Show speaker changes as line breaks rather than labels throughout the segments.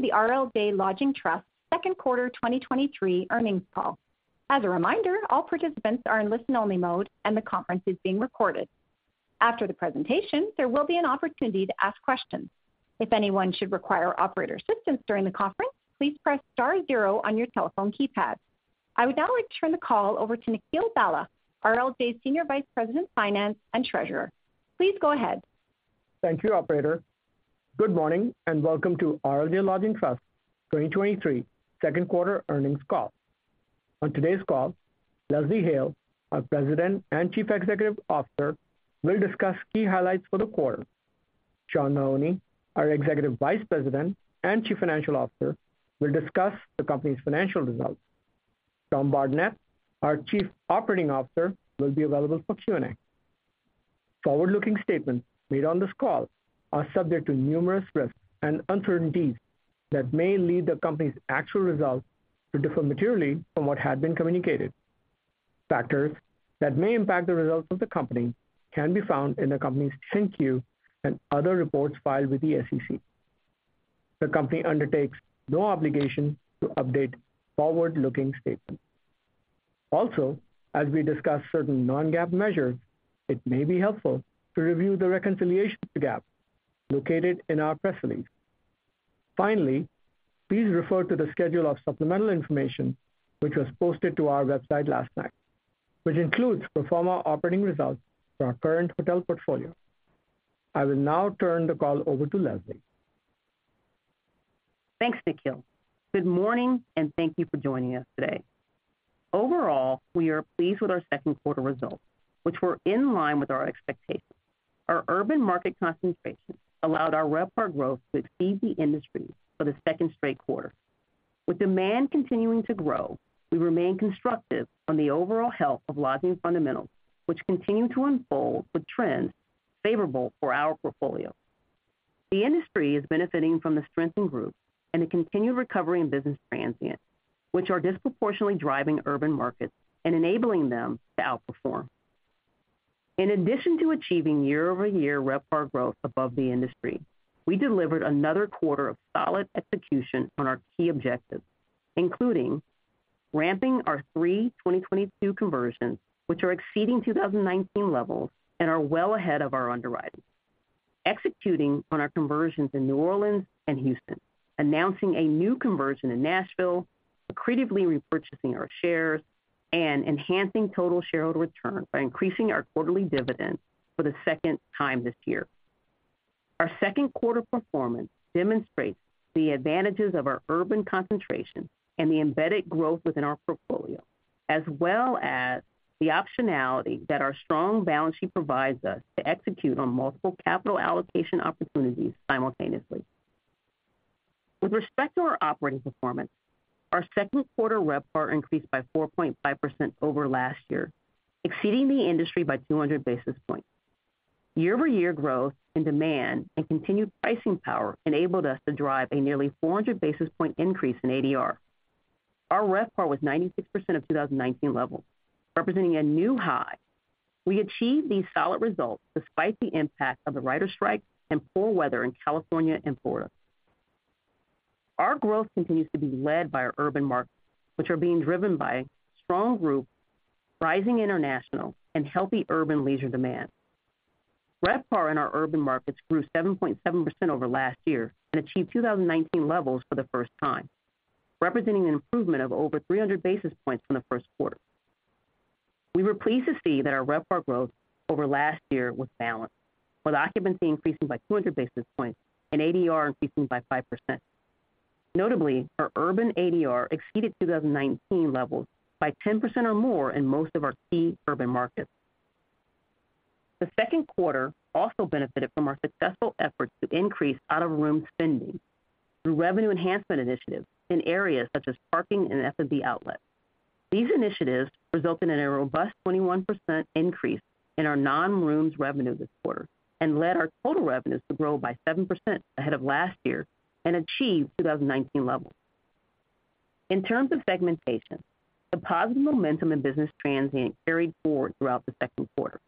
Welcome to the RLJ Lodging Trust second quarter 2023 earnings call. As a reminder, all participants are in listen-only mode, and the conference is being recorded. After the presentation, there will be an opportunity to ask questions. If anyone should require operator assistance during the conference, please press star zero on your telephone keypad. I would now like to turn the call over to Nikhil Bhalla, RLJ's Senior Vice President of Finance and Treasurer. Please go ahead.
Thank you, operator. Good morning, and welcome to RLJ Lodging Trust 2023 second quarter earnings call. On today's call, Leslie Hale, our President and Chief Executive Officer, will discuss key highlights for the quarter. Sean Mahoney, our Executive Vice President and Chief Financial Officer, will discuss the company's financial results. Tom Bardenett, our Chief Operating Officer, will be available for Q&A. Forward-looking statements made on this call are subject to numerous risks and uncertainties that may lead the company's actual results to differ materially from what had been communicated. Factors that may impact the results of the company can be found in the company's 10-Q and other reports filed with the SEC. The company undertakes no obligation to update forward-looking statements. Also, as we discuss certain non-GAAP measures, it may be helpful to review the reconciliation to GAAP located in our press release. Please refer to the schedule of supplemental information, which was posted to our website last night, which includes pro forma operating results for our current hotel portfolio. I will now turn the call over to Leslie.
Thanks, Nikhil. Good morning. Thank you for joining us today. Overall, we are pleased with our second quarter results, which were in line with our expectations. Our urban market concentration allowed our RevPAR growth to exceed the industry for the second straight quarter. With demand continuing to grow, we remain constructive on the overall health of lodging fundamentals, which continue to unfold with trends favorable for our portfolio. The industry is benefiting from the strengthened group and a continued recovery in business transient, which are disproportionately driving urban markets and enabling them to outperform. In addition to achieving year-over-year RevPAR growth above the industry, we delivered another quarter of solid execution on our key objectives, including ramping our three 2022 conversions, which are exceeding 2019 levels and are well ahead of our underwriting. Executing on our conversions in New Orleans and Houston, announcing a new conversion in Nashville, accretively repurchasing our shares, and enhancing total shareholder return by increasing our quarterly dividend for the second time this year. Our second quarter performance demonstrates the advantages of our urban concentration and the embedded growth within our portfolio, as well as the optionality that our strong balance sheet provides us to execute on multiple capital allocation opportunities simultaneously. With respect to our operating performance, our second quarter RevPAR increased by 4.5 over last year, exceeding the industry by 200 basis points. Year-over-year growth in demand and continued pricing power enabled us to drive a nearly 400 basis point increase in ADR. Our RevPAR was 96% of 2019 levels, representing a new high. We achieved these solid results despite the impact of the rider strike and poor weather in California and Florida. Our growth continues to be led by our urban markets, which are being driven by strong group, rising international, and healthy urban leisure demand. RevPAR in our urban markets grew 7.7% over last year and achieved 2019 levels for the first time, representing an improvement of over 300 basis points from the first quarter. We were pleased to see that our RevPAR growth over last year was balanced, with occupancy increasing by 200 basis points and ADR increasing by 5%. Notably, our urban ADR exceeded 2019 levels by 10% or more in most of our key urban markets. The second quarter also benefited from our successful efforts to increase out-of-room spending through revenue enhancement initiatives in areas such as parking and F&B outlets. These initiatives resulted in a robust 21% increase in our non-rooms revenue this quarter and led our total revenues to grow by 7% ahead of last year and achieve 2019 levels. In terms of segmentation, the positive momentum in business transient carried forward throughout the second quarter.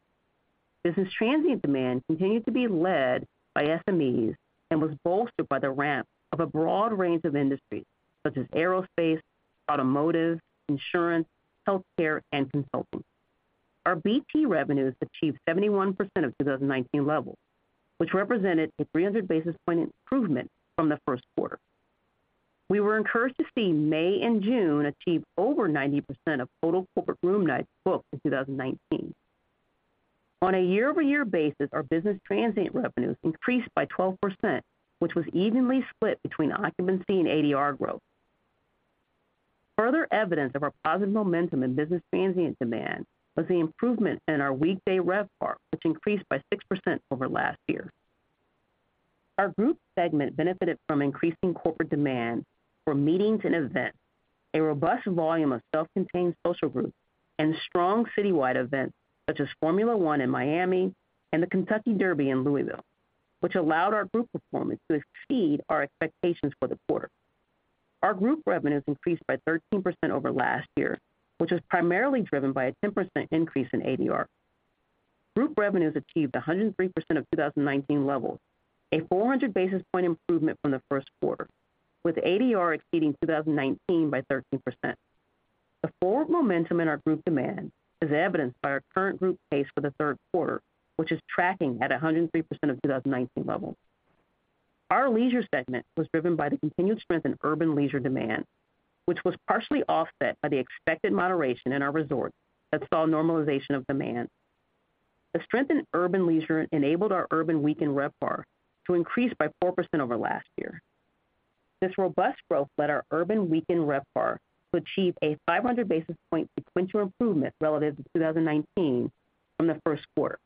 Business transient demand continued to be led by SMEs and was bolstered by the ramp of a broad range of industries such as aerospace, automotive, insurance, healthcare, and consulting. Our BP revenues achieved 71% of 2019 levels, which represented a 300 basis point improvement from the first quarter. We were encouraged to see May and June achieve over 90% of total corporate room nights booked in 2019. On a year-over-year basis, our business transient revenues increased by 12%, which was evenly split between occupancy and ADR growth. Further evidence of our positive momentum in business transient demand was the improvement in our weekday RevPAR, which increased by 6% over last year. Our group segment benefited from increasing corporate demand for meetings and events, a robust volume of self-contained social groups, and strong citywide events such as Formula One in Miami and the Kentucky Derby in Louisville, which allowed our group performance to exceed our expectations for the quarter. Our group revenues increased by 13% over last year, which was primarily driven by a 10% increase in ADR. Group revenues achieved 103% of 2019 levels, a 400 basis point improvement from the first quarter, with ADR exceeding 2019 by 13%. The forward momentum in our group demand is evidenced by our current group pace for the third quarter, which is tracking at 103% of 2019 levels. Our leisure segment was driven by the continued strength in urban leisure demand, which was partially offset by the expected moderation in our resorts that saw normalization of demand. The strength in urban leisure enabled our urban weekend RevPAR to increase by 4% over last year. This robust growth led our urban weekend RevPAR to achieve a 500 basis point sequential improvement relative to 2019 from the first quarter.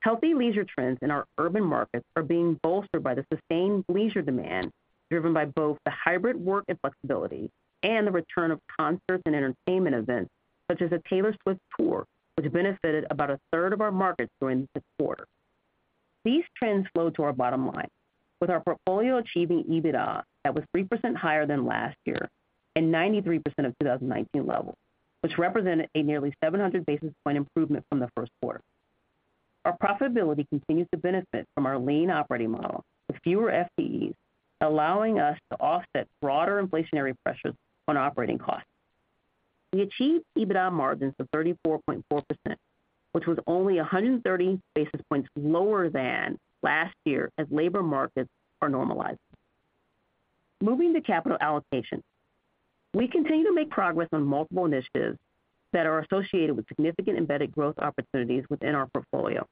Healthy leisure trends in our urban markets are being bolstered by the sustained bleisure demand, driven by both the hybrid work and flexibility, and the return of concerts and entertainment events such as the Taylor Swift Tour, which benefited about a third of our markets during this quarter. These trends flow to our bottom line, with our portfolio achieving EBITDA that was 3% higher than last year and 93% of 2019 levels, which represented a nearly 700 basis point improvement from the first quarter. Our profitability continues to benefit from our lean operating model, with fewer FDEs, allowing us to offset broader inflationary pressures on operating costs. We achieved EBITDA margins of 34.4%, which was only 130 basis points lower than last year as labor markets are normalizing. Moving to capital allocation. We continue to make progress on multiple initiatives that are associated with significant embedded growth opportunities within our portfolio.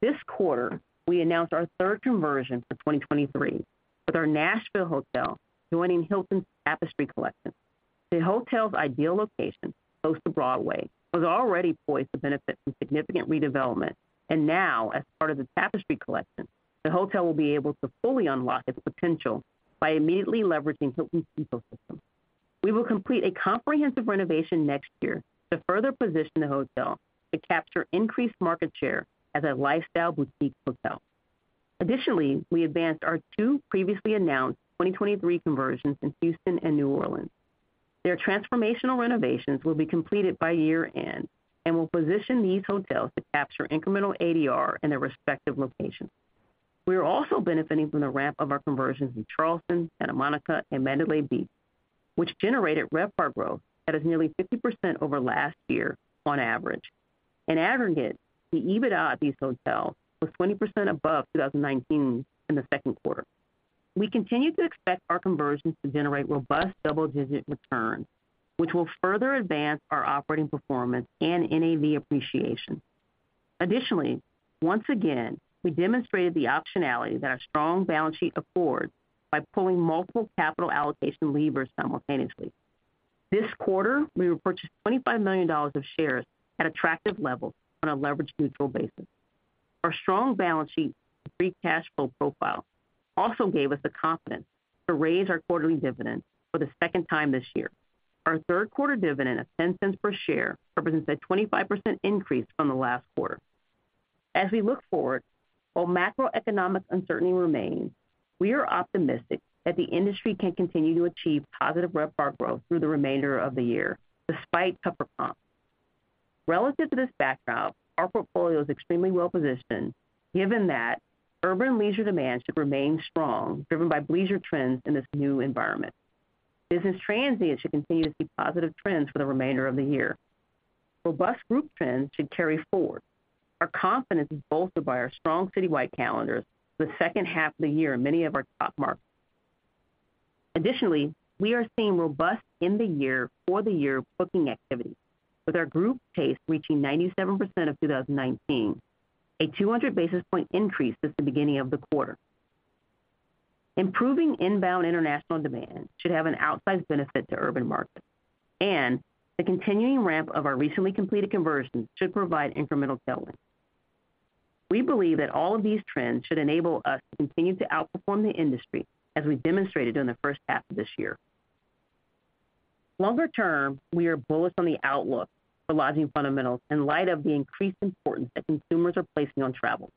This quarter, we announced our third conversion for 2023, with our Nashville hotel joining Hilton's Tapestry Collection. The hotel's ideal location, close to Broadway, was already poised to benefit from significant redevelopment, and now, as part of the Tapestry Collection, the hotel will be able to fully unlock its potential by immediately leveraging Hilton's ecosystem. We will complete a comprehensive renovation next year to further position the hotel to capture increased market share as a lifestyle boutique hotel. Additionally, we advanced our two previously announced 2023 conversions in Houston and New Orleans. Their transformational renovations will be completed by year-end and will position these hotels to capture incremental ADR in their respective locations. We are also benefiting from the ramp of our conversions in Charleston, Santa Monica, and Mandalay Bay, which generated RevPAR growth that is nearly 50% over last year on average. In aggregate, the EBITDA at these hotels was 20% above 2019 in the second quarter. We continue to expect our conversions to generate robust double-digit returns, which will further advance our operating performance and NAV appreciation. Additionally, once again, we demonstrated the optionality that our strong balance sheet affords by pulling multiple capital allocation levers simultaneously. This quarter, we repurchased $25 million of shares at attractive levels on a leverage-neutral basis. Our strong balance sheet and free cash flow profile also gave us the confidence to raise our quarterly dividend for the second time this year. Our third quarter dividend of $0.10 per share represents a 25% increase from the last quarter. As we look forward, while macroeconomic uncertainty remains, we are optimistic that the industry can continue to achieve positive RevPAR growth through the remainder of the year, despite tougher comps. Relative to this background, our portfolio is extremely well positioned, given that urban leisure demand should remain strong, driven by bleisure trends in this new environment. Business transient should continue to see positive trends for the remainder of the year. Robust group trends should carry forward. Our confidence is bolstered by our strong citywide calendars the second half of the year in many of our top markets. Additionally, we are seeing robust in the year, for the year booking activity, with our group pace reaching 97% of 2019, a 200 basis point increase since the beginning of the quarter. Improving inbound international demand should have an outsized benefit to urban markets, and the continuing ramp of our recently completed conversions should provide incremental tailwinds. We believe that all of these trends should enable us to continue to outperform the industry as we've demonstrated during the first half of this year. Longer term, we are bullish on the outlook for lodging fundamentals in light of the increased importance that consumers are placing on travel,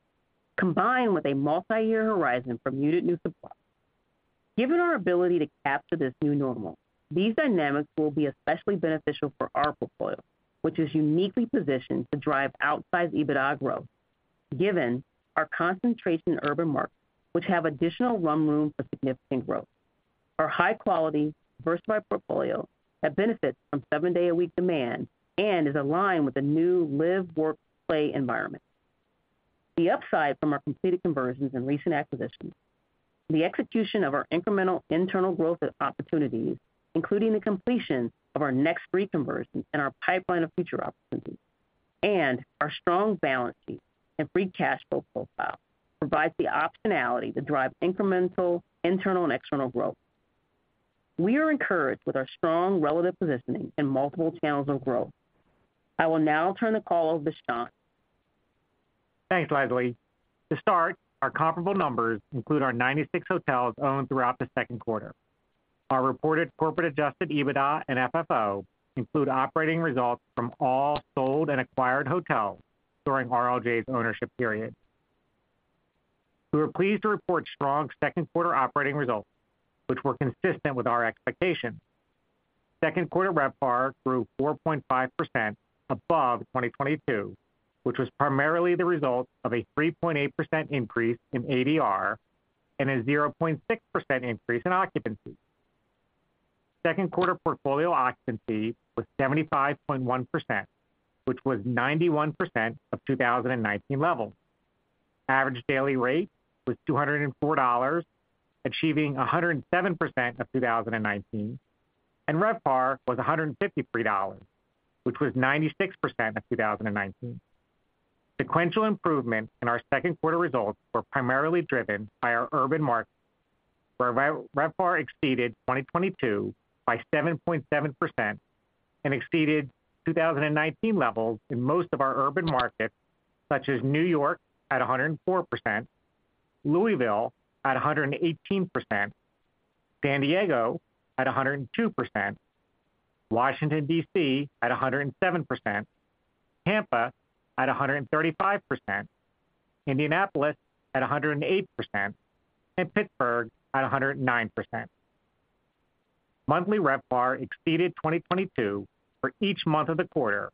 combined with a multiyear horizon from muted new supply. Given our ability to capture this new normal, these dynamics will be especially beneficial for our portfolio, which is uniquely positioned to drive outsized EBITDA growth, given our concentration in urban markets, which have additional rum room for significant growth. Our high-quality, diversified portfolio that benefits from seven-day-a-week demand and is aligned with the new live, work, play environment. The upside from our completed conversions and recent acquisitions, the execution of our incremental internal growth opportunities, including the completion of our next three conversions and our pipeline of future opportunities, and our strong balance sheet and free cash flow profile, provides the optionality to drive incremental internal and external growth. We are encouraged with our strong relative positioning in multiple channels of growth. I will now turn the call over to Sean.
Thanks, Leslie. To start, our comparable numbers include our 96 hotels owned throughout the second quarter. Our reported corporate adjusted EBITDA and FFO include operating results from all sold and acquired hotels during RLJ's ownership period. We were pleased to report strong second quarter operating results, which were consistent with our expectations. Second quarter RevPAR grew 4.5% above 2022, which was primarily the result of a 3.8% increase in ADR and a 0.6% increase in occupancy. Second quarter portfolio occupancy was 75.1%, which was 91% of 2019 levels. Average daily rate was $204, achieving 107% of 2019, and RevPAR was $153, which was 96% of 2019. Sequential improvement in our second quarter results were primarily driven by our urban markets, where RevPAR exceeded 2022 by 7.7% and exceeded 2019 levels in most of our urban markets, such as New York at 104%, Louisville at 118%, San Diego at 102%, Washington, D.C., at 107%, Tampa at 135%, Indianapolis at 108%, and Pittsburgh at 109%. Monthly RevPAR exceeded 2022 for each month of the quarter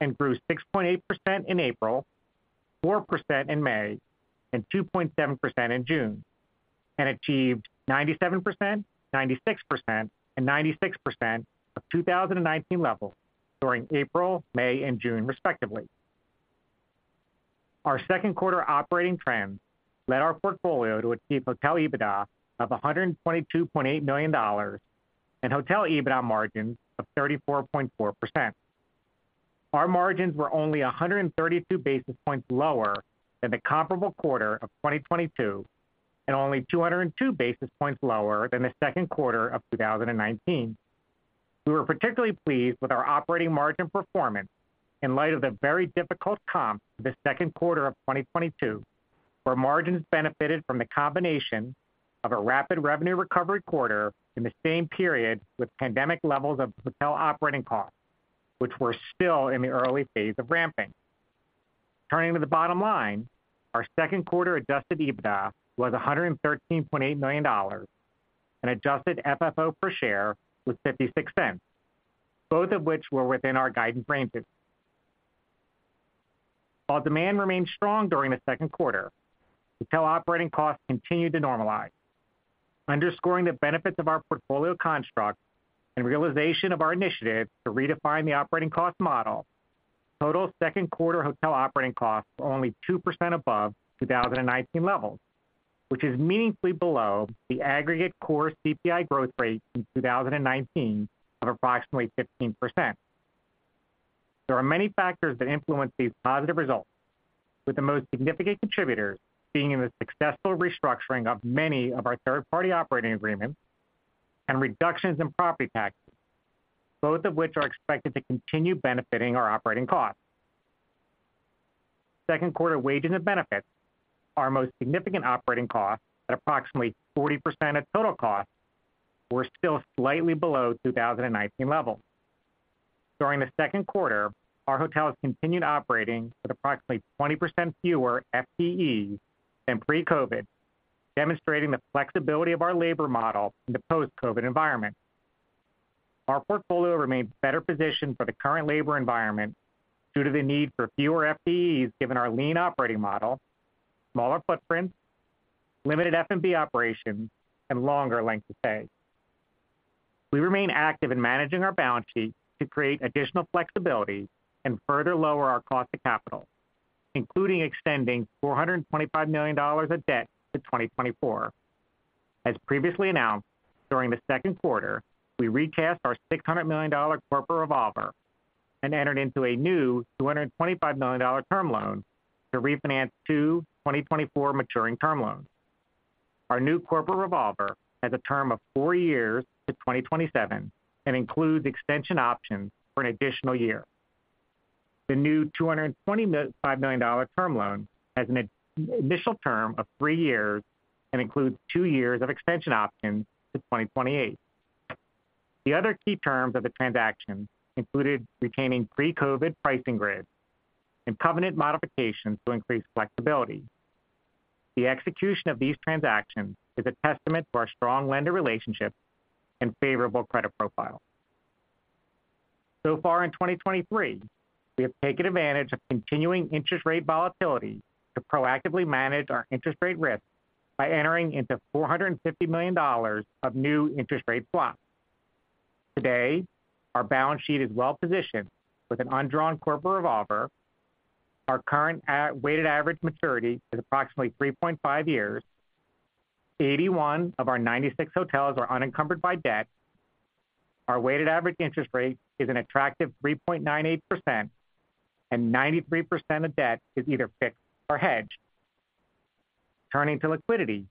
and grew 6.8% in April, 4% in May, and 2.7% in June, and achieved 97%, 96%, and 96% of 2019 levels during April, May, and June, respectively. Our second quarter operating trends led our portfolio to achieve hotel EBITDA of $122.8 million and hotel EBITDA margins of 34.4%. Our margins were only 132 basis points lower than the comparable quarter of 2022, and only 202 basis points lower than the second quarter of 2019. We were particularly pleased with our operating margin performance in light of the very difficult comp the second quarter of 2022, where margins benefited from the combination of a rapid revenue recovery quarter in the same period, with pandemic levels of hotel operating costs, which were still in the early phase of ramping. Turning to the bottom line, our second quarter adjusted EBITDA was $113.8 million, and adjusted FFO per share was $0.56, both of which were within our guidance ranges. While demand remained strong during the second quarter, hotel operating costs continued to normalize, underscoring the benefits of our portfolio construct and realization of our initiatives to redefine the operating cost model. Total second quarter hotel operating costs were only 2% above 2019 levels, which is meaningfully below the aggregate core CPI growth rate in 2019 of approximately 15%. There are many factors that influence these positive results, with the most significant contributors being in the successful restructuring of many of our third-party operating agreements and reductions in property taxes, both of which are expected to continue benefiting our operating costs. Second quarter wages and benefits, our most significant operating costs, at approximately 40% of total costs, were still slightly below 2019 levels. During the second quarter, our hotels continued operating with approximately 20% fewer FTEs than pre-COVID, demonstrating the flexibility of our labor model in the post-COVID environment. Our portfolio remains better positioned for the current labor environment due to the need for fewer FTEs, given our lean operating model, smaller footprint, limited F&B operations, and longer length of stay. We remain active in managing our balance sheet to create additional flexibility and further lower our cost of capital, including extending $425 million of debt to 2024. As previously announced, during the second quarter, we recast our $600 million corporate revolver and entered into a new $225 million term loan to refinance 2 2024 maturing term loans. Our new corporate revolver has a term of 4 years to 2027 and includes extension options for an additional year. The new $225 million term loan has an initial term of 3 years and includes 2 years of extension options to 2028. The other key terms of the transaction included retaining pre-COVID pricing grids and covenant modifications to increase flexibility. The execution of these transactions is a testament to our strong lender relationships and favorable credit profile. So far in 2023, we have taken advantage of continuing interest rate volatility to proactively manage our interest rate risk by entering into $450 million of new interest rate swaps. Today, our balance sheet is well positioned with an undrawn corporate revolver. Our current weighted average maturity is approximately 3.5 years. 81 of our 96 hotels are unencumbered by debt. Our weighted average interest rate is an attractive 3.98%, and 93% of debt is either fixed or hedged. Turning to liquidity,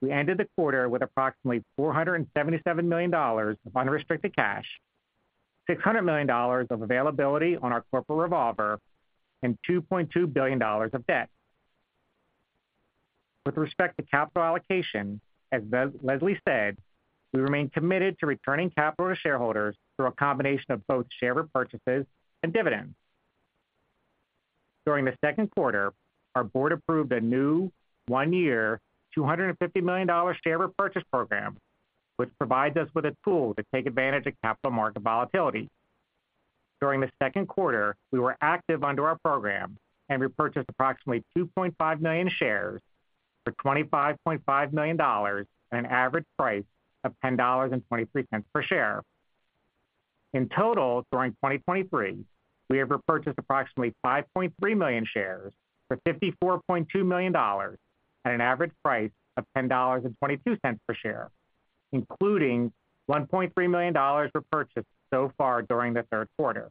we ended the quarter with approximately $477 million of unrestricted cash, $600 million of availability on our corporate revolver, and $2.2 billion of debt. \With respect to capital allocation, as Leslie said, we remain committed to returning capital to shareholders through a combination of both share repurchases and dividends. During the second quarter, our board approved a new one-year, $250 million share repurchase program, which provides us with a tool to take advantage of capital market volatility. During the second quarter, we were active under our program and repurchased approximately 2.5 million shares for $25.5 million at an average price of $10.23 per share. In total, during 2023, we have repurchased approximately 5.3 million shares for $54.2 million at an average price of $10.22 per share, including $1.3 million repurchased so far during the third quarter.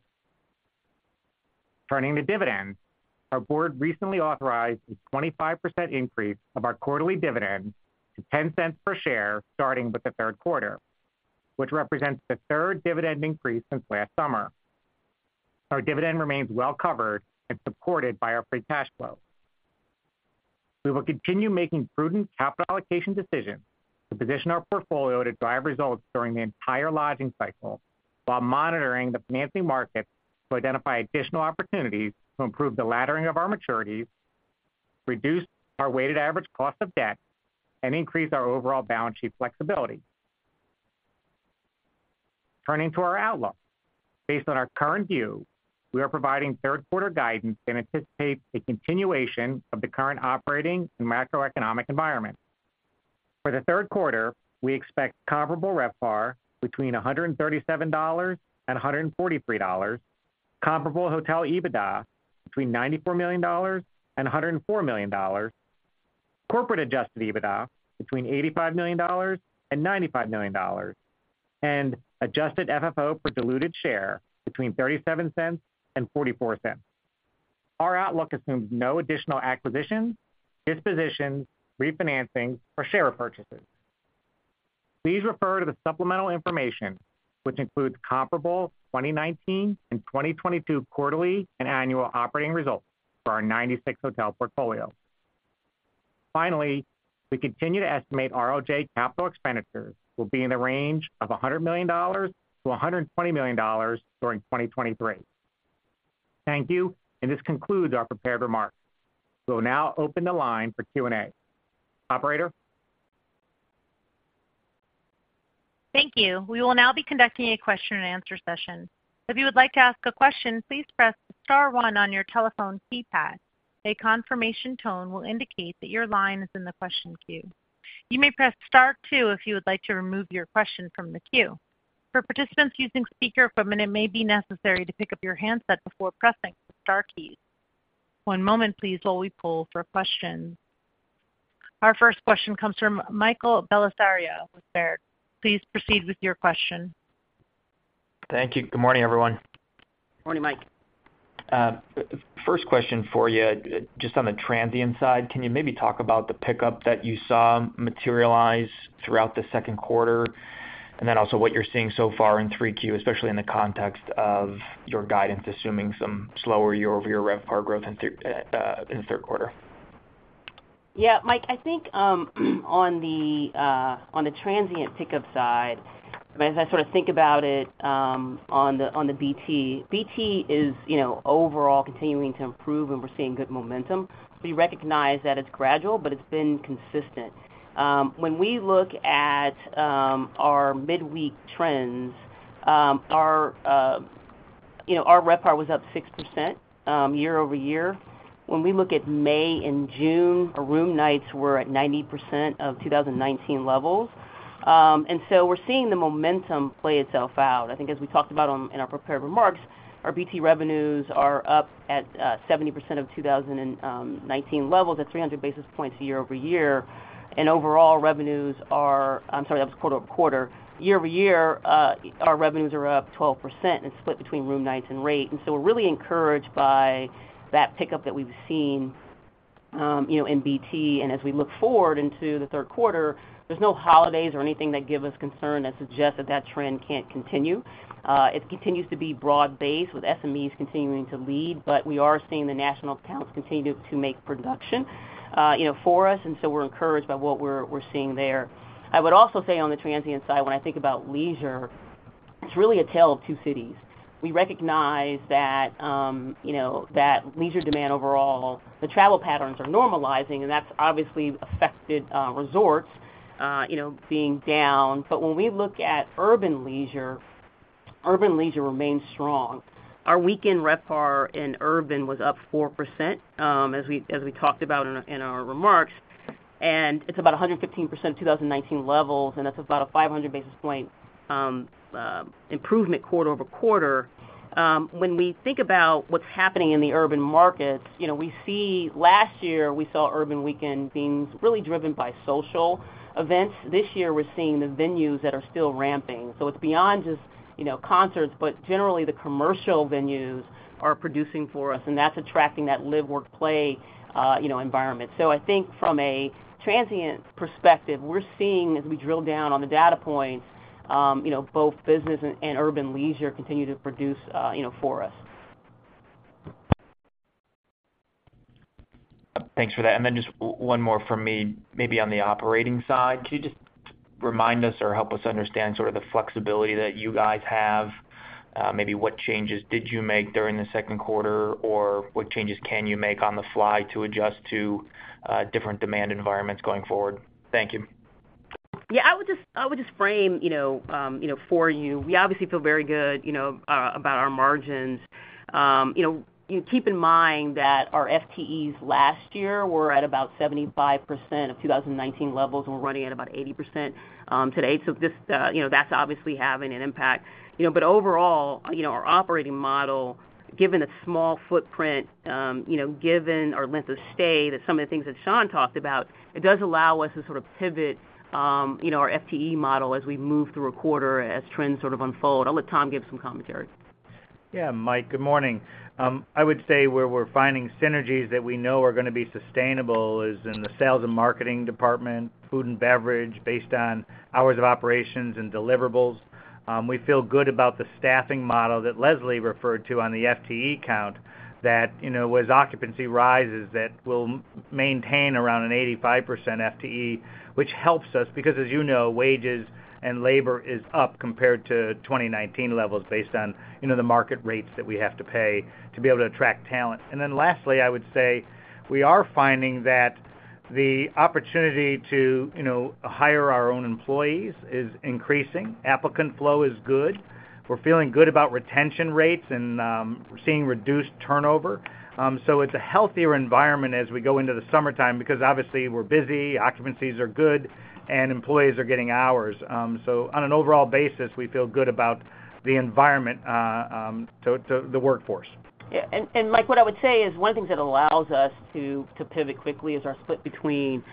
Turning to dividends, our Board recently authorized a 25% increase of our quarterly dividend to $0.10 per share, starting with the third quarter, which represents the third dividend increase since last summer. Our dividend remains well covered and supported by our free cash flow. We will continue making prudent capital allocation decisions to position our portfolio to drive results during the entire lodging cycle, while monitoring the financing markets to identify additional opportunities to improve the laddering of our maturities, reduce our weighted average cost of debt, and increase our overall balance sheet flexibility. Turning to our outlook. Based on our current view, we are providing third quarter guidance and anticipate a continuation of the current operating and macroeconomic environment. For the third quarter, we expect comparable RevPAR between $137 and $143, comparable hotel EBITDA between $94 million and $104 million, corporate adjusted EBITDA between $85 million and $95 million, and adjusted FFO per diluted share between $0.37 and $0.44. Our outlook assumes no additional acquisitions, dispositions, refinancing, or share repurchases. Please refer to the supplemental information, which includes comparable 2019 and 2022 quarterly and annual operating results for our 96 hotel portfolio. Finally, we continue to estimate RLJ capital expenditures will be in the range of $100 million to $120 million during 2023. Thank you, and this concludes our prepared remarks. We'll now open the line for Q&A. Operator?
Thank you. We will now be conducting a question and answer session. If you would like to ask a question, please press star one on your telephone keypad. A confirmation tone will indicate that your line is in the question queue. You may press star two if you would like to remove your question from the queue. For participants using speakerphone, it may be necessary to pick up your handset before pressing the star keys. One moment, please, while we poll for questions. Our first question comes from Michael Bellisario with Baird. Please proceed with your question.
Thank you. Good morning, everyone.
Morning, Mike.
First question for you, just on the transient side, can you maybe talk about the pickup that you saw materialize throughout the 2Q, and then also what you're seeing so far in 3Q, especially in the context of your guidance, assuming some slower year-over-year RevPAR growth in 3Q?
Yeah, Mike, I think on the on the transient pickup side, as I sort of think about it, on the on the BT, BT is, you know, overall continuing to improve and we're seeing good momentum. We recognize that it's gradual, but it's been consistent. When we look at our midweek trends, our, you know, our RevPAR was up 6% year-over-year. When we look at May and June, our room nights were at 90% of 2019 levels. We're seeing the momentum play itself out. I think as we talked about on, in our prepared remarks, our BT revenues are up at 70% of 2019 levels at 300 basis points year-over-year. Overall, revenues are... I'm sorry, that was quarter-over-quarter. Year-over-year, our revenues are up 12%, and it's split between room nights and rate. We're really encouraged by that pickup that we've seen, you know, in BT. As we look forward into the third quarter, there's no holidays or anything that give us concern that suggests that that trend can't continue. It continues to be broad-based, with SMEs continuing to lead, but we are seeing the national accounts continue to, to make production, you know, for us, and so we're encouraged by what we're, we're seeing there. I would also say on the transient side, when I think about leisure, it's really a tale of two cities. We recognize that, you know, that leisure demand overall, the travel patterns are normalizing, and that's obviously affected resorts, you know, being down. When we look at urban leisure, urban leisure remains strong. Our weekend RevPAR in urban was up 4%, as we, as we talked about in our, in our remarks. It's about 115% of 2019 levels, and that's about a 500 basis point improvement quarter-over-quarter. When we think about what's happening in the urban markets, you know, last year, we saw urban weekend being really driven by social events. This year, we're seeing the venues that are still ramping. It's beyond just, you know, concerts, but generally, the commercial venues are producing for us, and that's attracting that live, work, play, you know, environment. I think from a transient perspective, we're seeing as we drill down on the data points, you know, both business and, and urban leisure continue to produce, you know, for us.
Thanks for that. Then just one more from me, maybe on the operating side. Can you just remind us or help us understand sort of the flexibility that you guys have? Maybe what changes did you make during the second quarter, or what changes can you make on the fly to adjust to different demand environments going forward? Thank you.
Yeah, I would just, I would just frame, you know, for you, we obviously feel very good, you know, about our margins. You know, you keep in mind that our FTEs last year were at about 75% of 2019 levels, and we're running at about 80% today. This, you know, that's obviously having an impact. Overall, you know, our operating model, given a small footprint, you know, given our length of stay, that some of the things that Sean talked about, it does allow us to sort of pivot, you know, our FTE model as we move through a quarter, as trends sort of unfold. I'll let Tom give some commentary.
Yeah, Mike, good morning. I would say where we're finding synergies that we know are going to be sustainable is in the sales and marketing department, food and beverage, based on hours of operations and deliverables. We feel good about the staffing model that Leslie referred to on the FTE count, that, you know, as occupancy rises, that we'll maintain around an 85% FTE, which helps us, because, as you know, wages and labor is up compared to 2019 levels based on, you know, the market rates that we have to pay to be able to attract talent. Lastly, I would say we are finding that the opportunity to, you know, hire our own employees is increasing. Applicant flow is good. We're feeling good about retention rates, and we're seeing reduced turnover. It's a healthier environment as we go into the summertime because, obviously, we're busy, occupancies are good, and employees are getting hours. On an overall basis, we feel good about the environment, so the workforce.
Yeah. Mike, what I would say is one of the things that allows us to, to pivot quickly is our split between, you know,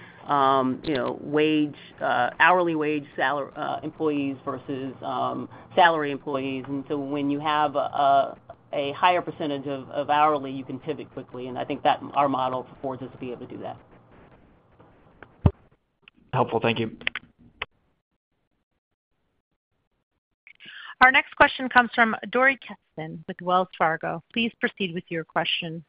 wage, hourly wage employees versus, salary employees. So when you have, a higher percentage of, of hourly, you can pivot quickly, and I think that our model affords us to be able to do that.
Helpful. Thank you.
Our next question comes from Dori Kesten with Wells Fargo. Please proceed with your question.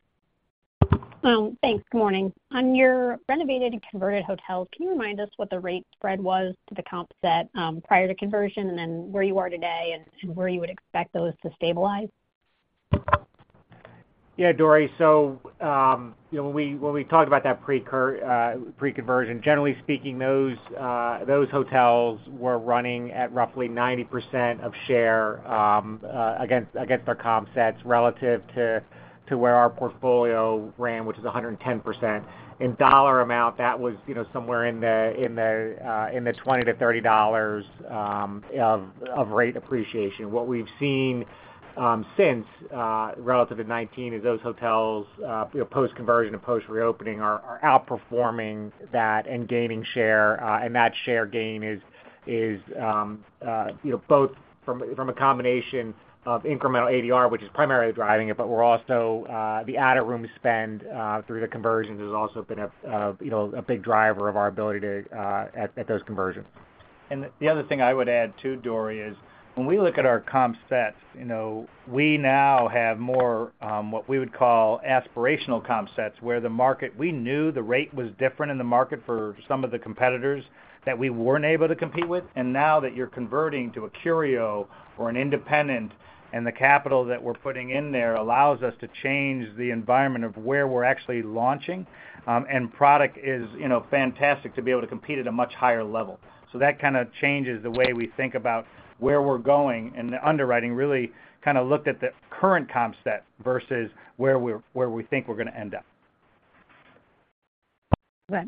Thanks. Good morning. On your renovated and converted hotels, can you remind us what the rate spread was to the comp set, prior to conversion, and then where you are today and, and where you would expect those to stabilize?
Yeah, Dori. So, you know, when we, when we talked about that pre-conversion, generally speaking, those hotels were running at roughly 90% of share, against, against our comp sets relative to, to where our portfolio ran, which is 110%. In dollar amount, that was, you know, somewhere in the, in the $20-$30, of, of rate appreciation. What we've seen since relative to 2019, is those hotels, you know, post-conversion and post-reopening are outperforming that and gaining share, and that share gain is, you know, both from a combination of incremental ADR, which is primarily driving it, but we're also the added room spend through the conversions has also been a, you know, a big driver of our ability to at those conversions. The other thing I would add, too, Dori, is when we look at our comp sets, you know, we now have more what we would call aspirational comp sets. We knew the rate was different in the market for some of the competitors that we weren't able to compete with. Now that you're converting to a Curio or an independent, and the capital that we're putting in there allows us to change the environment of where we're actually launching, and product is, you know, fantastic to be able to compete at a much higher level. That kind of changes the way we think about where we're going, and the underwriting really kind of looked at the current comp set versus where we're, where we think we're going to end up.
Right.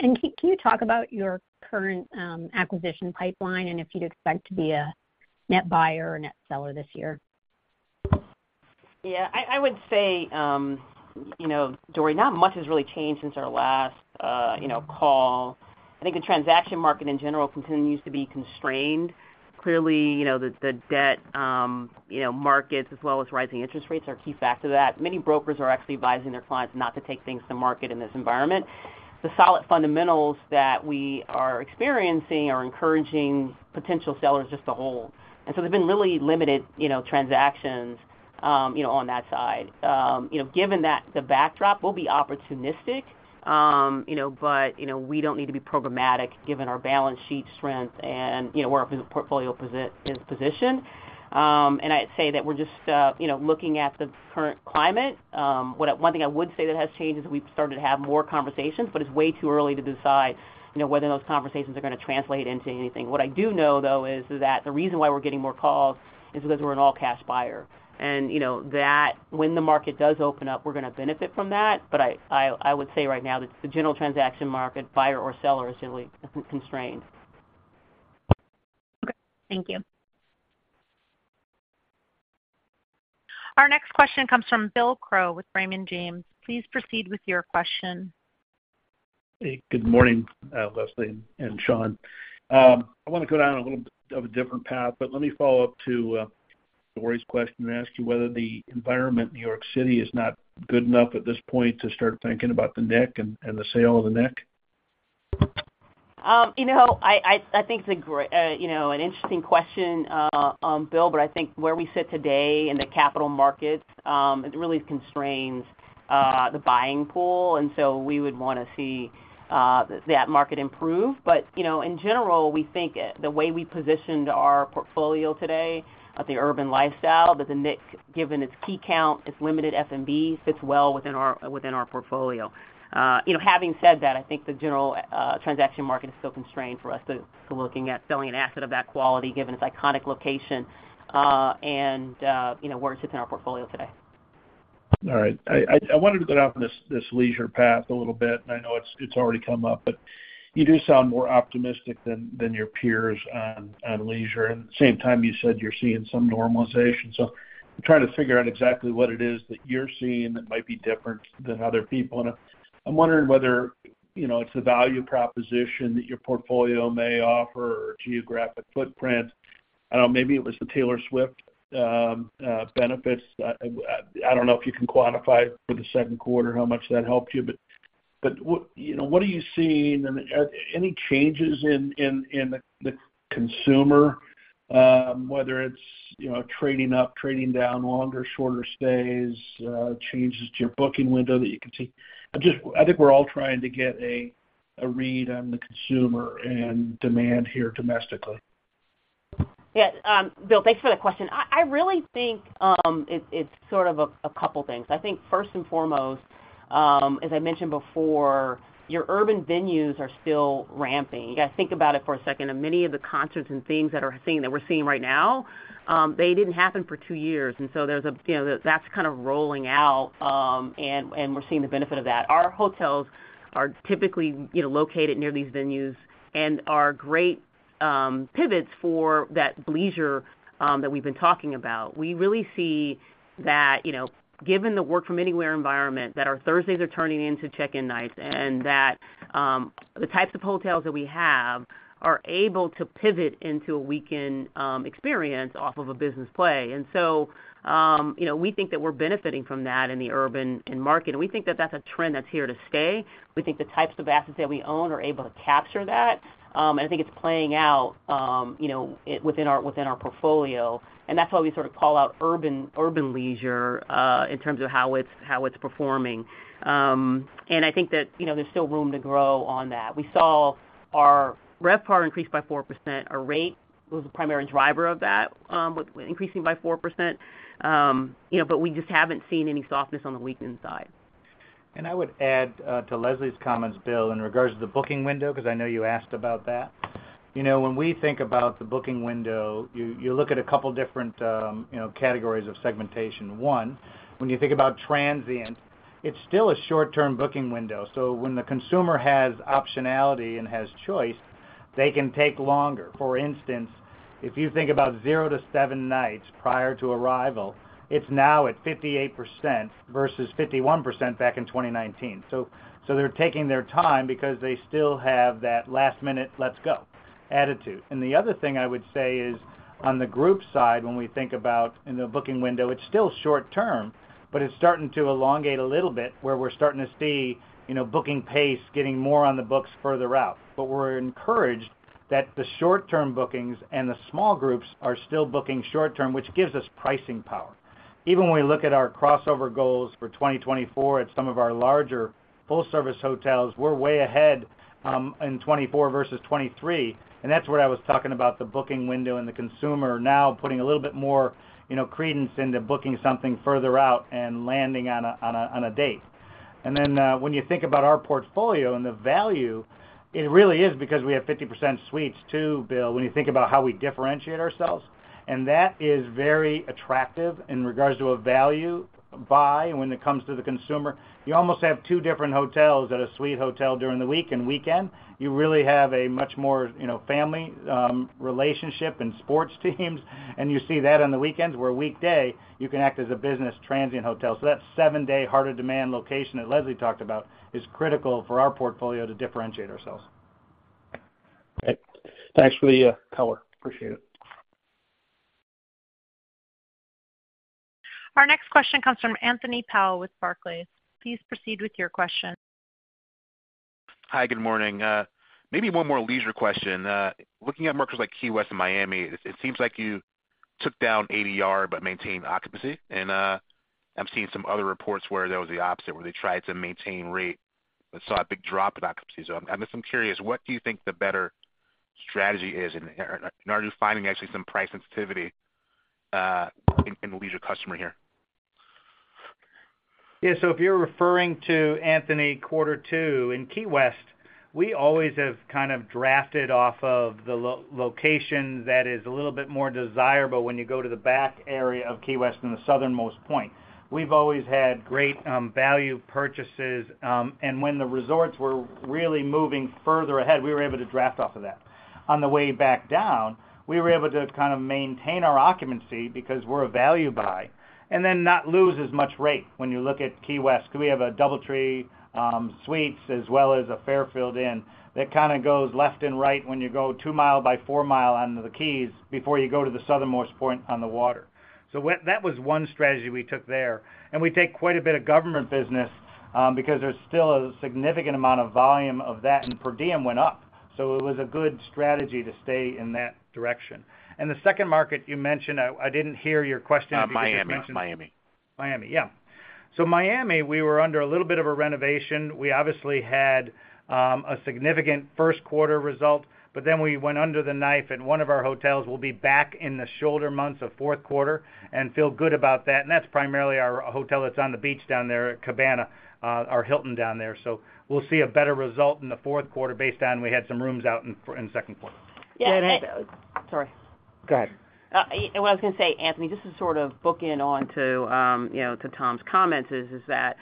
Can you talk about your current acquisition pipeline and if you'd expect to be a net buyer or net seller this year?
Yeah. I, I would say, you know, Dori, not much has really changed since our last, you know, call. I think the transaction market in general continues to be constrained. Clearly, you know, the, the debt, you know, markets as well as rising interest rates are key factors to that. Many brokers are actually advising their clients not to take things to market in this environment. The solid fundamentals that we are experiencing are encouraging potential sellers just to hold, so there's been really limited, you know, transactions, you know, on that side. Given that the backdrop, we'll be opportunistic, you know, but, you know, we don't need to be programmatic given our balance sheet strength and, you know, where our portfolio posit- is positioned. I'd say that we're just, you know, looking at the current climate. What I, one thing I would say that has changed is we've started to have more conversations, but it's way too early to decide, you know, whether those conversations are going to translate into anything. What I do know, though, is that the reason why we're getting more calls is because we're an all-cash buyer. You know, that when the market does open up, we're going to benefit from that. I would say right now that the general transaction market, buyer or seller, is really constrained.
Okay. Thank you.
Our next question comes from Bill Crow with Raymond James. Please proceed with your question.
Hey, good morning, Leslie and Sean, I want to go down a little bit of a different path, but let me follow up to Dori Kesten's question and ask you whether the environment in New York City is not good enough at this point to start thinking about the Knick and the sale of the Knick?
You know, I, I, I think it's a great, you know, an interesting question, Bill. I think where we sit today in the capital markets, it really constrains the buying pool, and so we would wanna see that market improve. You know, in general, we think the way we positioned our portfolio today, at the urban lifestyle, that the Knick, given its key count, its limited F&B, fits well within our, within our portfolio. You know, having said that, I think the general transaction market is still constrained for us to, to looking at selling an asset of that quality, given its iconic location, and, you know, where it sits in our portfolio today.
All right. I, I, I wanted to go down this, this leisure path a little bit, and I know it's, it's already come up, but you do sound more optimistic than, than your peers on, on leisure. At the same time, you said you're seeing some normalization. I'm trying to figure out exactly what it is that you're seeing that might be different than other people. I'm wondering whether, you know, it's a value proposition that your portfolio may offer or geographic footprint. I don't know, maybe it was the Taylor Swift benefits. I don't know if you can quantify for the second quarter how much that helped you, but, but what, you know, what are you seeing? Any changes in, in, in the, the consumer, whether it's, you know, trading up, trading down, longer, shorter stays, changes to your booking window that you can see? I think we're all trying to get a, a read on the consumer and demand here domestically.
Yeah, Bill, thanks for that question. I really think it's sort of a couple things. I think first and foremost, as I mentioned before, your urban venues are still ramping. You gotta think about it for a second, and many of the concerts and things that are seeing that we're seeing right now, they didn't happen for two years, and so there's, you know, that's kind of rolling out, and we're seeing the benefit of that. Our hotels are typically, you know, located near these venues and are great pivots for that leisure that we've been talking about. We really see that, you know, given the work from anywhere environment, that our Thursdays are turning into check-in nights, and that the types of hotels that we have are able to pivot into a weekend experience off of a business play. You know, we think that we're benefiting from that in the urban end market, and we think that that's a trend that's here to stay. We think the types of assets that we own are able to capture that, and I think it's playing out, you know, within our, within our portfolio, and that's why we sort of call out urban, urban leisure, in terms of how it's performing. I think that, you know, there's still room to grow on that. We saw our RevPAR increase by 4%. Our rate was the primary driver of that, with increasing by 4%. You know, we just haven't seen any softness on the weekend side.
I would add to Leslie's comments, Bill, in regards to the booking window, 'cause I know you asked about that. You know, when we think about the booking window, you, you look at a couple different, you know, categories of segmentation. One, when you think about transient, it's still a short-term booking window, so when the consumer has optionality and has choice, they can take longer. For instance, if you think about 0 to 7 nights prior to arrival, it's now at 58% versus 51% back in 2019. They're taking their time because they still have that last-minute, "Let's go," attitude. The other thing I would say is, on the group side, when we think about in the booking window, it's still short term, but it's starting to elongate a little bit, where we're starting to see, you know, booking pace getting more on the books further out. We're encouraged that the short-term bookings and the small groups are still booking short term, which gives us pricing power. Even when we look at our crossover goals for 2024 at some of our larger full-service hotels, we're way ahead, in 2024 versus 2023, and that's where I was talking about the booking window and the consumer now putting a little bit more, you know, credence into booking something further out and landing on a, on a, on a date. When you think about our portfolio and the value, it really is because we have 50% suites, too, Bill, when you think about how we differentiate ourselves, and that is very attractive in regards to a value buy when it comes to the consumer. You almost have two different hotels at a suite hotel during the week and weekend. You really have a much more, you know, family relationship and sports teams, and you see that on the weekends, where a weekday, you can act as a business transient hotel. That seven-day heart of demand location that Leslie talked about is critical for our portfolio to differentiate ourselves.
Great. Thanks for the color. Appreciate it.
Our next question comes from Anthony Powell with Barclays. Please proceed with your question.
Hi, good morning. Maybe one more leisure question. Looking at markets like Key West and Miami, it, it seems like you took down ADR but maintained occupancy, and I'm seeing some other reports where that was the opposite, where they tried to maintain rate but saw a big drop in occupancy. I'm, I'm just curious, what do you think the better strategy is? And are you finding actually some price sensitivity in, in the leisure customer here?
Yeah, so if you're referring to Anthony, quarter two, in Key West, we always have kind of drafted off of the location that is a little bit more desirable when you go to the back area of Key West than the southernmost point. We've always had great value purchases. When the resorts were really moving further ahead, we were able to draft off of that. On the way back down, we were able to kind of maintain our occupancy because we're a value buy, and then not lose as much rate when you look at Key West, because we have a DoubleTree Suites, as well as a Fairfield Inn, that kind of goes left and right when you go 2 mile by 4 mile onto the Keys before you go to the southernmost point on the water. That was one strategy we took there, and we take quite a bit of government business, because there's still a significant amount of volume of that, and per diem went up. It was a good strategy to stay in that direction. The second market you mentioned, I didn't hear your question.
Miami. Miami.
Miami, yeah. Miami, we were under a little bit of a renovation. We obviously had, a significant first quarter result. Then we went under the knife. One of our hotels will be back in the shoulder months of fourth quarter and feel good about that. That's primarily our hotel that's on the beach down there at Cabana, our Hilton down there. We'll see a better result in the fourth quarter based on we had some rooms out in in the second quarter.
Yeah.
Sorry.
Go ahead. What I was gonna say, Anthony, just to sort of book in on to, you know, to Tom's comments is, is that,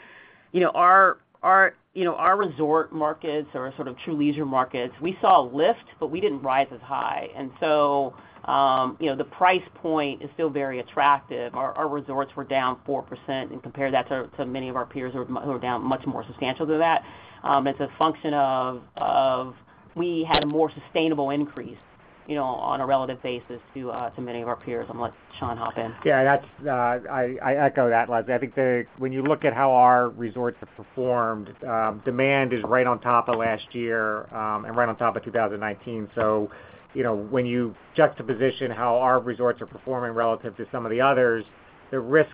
you know, our, our, you know, our resort markets or our sort of true leisure markets, we saw a lift, but we didn't rise as high. The price point is still very attractive. Our, our resorts were down 4%, and compare that to, to many of our peers who are, who are down much more substantial than that. It's a function of, of we had a more sustainable increase, you know, on a relative basis to, to many of our peers. Let Sean hop in.
Yeah, that's, I, I echo that, Leslie. I think when you look at how our resorts have performed, demand is right on top of last year, and right on top of 2019. You know, when you juxtaposition how our resorts are performing relative to some of the others, the risk,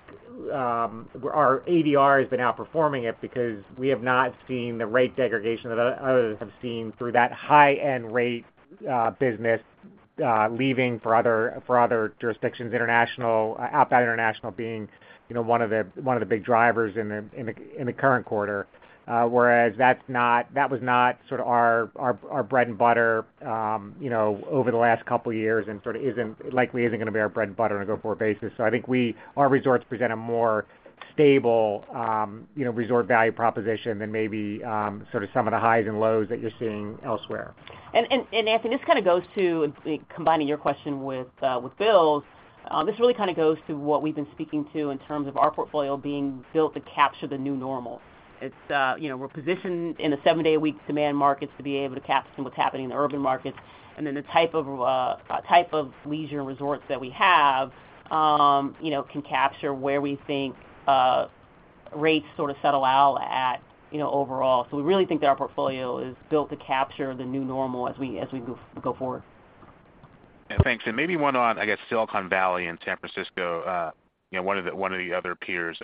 our ADR has been outperforming it because we have not seen the rate degradation that others have seen through that high-end rate business leaving for other, for other jurisdictions, international, outbound international being, you know, one of the, one of the big drivers in the, in the, in the current quarter. whereas that was not sort of our, our, our bread and butter, you know, over the last couple of years and sort of isn't, likely isn't gonna be our bread and butter on a go-forward basis. I think we, our resorts present a more stable, you know, resort value proposition than maybe, sort of some of the highs and lows that you're seeing elsewhere.
Anthony, this kind of goes to combining your question with Bill's. This really kind of goes to what we've been speaking to in terms of our portfolio being built to capture the new normal. It's, you know, we're positioned in the seven-day-a-week demand markets to be able to capture what's happening in the urban markets, and then the type of type of leisure resorts that we have, you know, can capture where we think rates sort of settle out at, you know, overall. We really think that our portfolio is built to capture the new normal as we, as we go, go forward.
Yeah, thanks. Maybe one on, I guess, Silicon Valley and San Francisco. You know, one of the, one of the other peers,